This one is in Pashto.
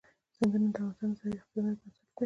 سیندونه د افغانستان د ځایي اقتصادونو بنسټ دی.